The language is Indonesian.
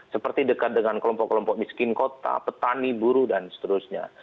seperti dekat dengan kelompok kelompok miskin kota petani buruh dan seterusnya